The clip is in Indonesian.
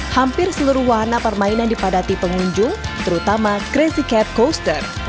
hampir seluruh wahana permainan dipadati pengunjung terutama crazy cat coaster